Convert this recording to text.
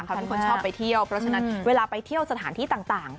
เขาเป็นคนชอบไปเที่ยวเพราะฉะนั้นเวลาไปเที่ยวสถานที่ต่าง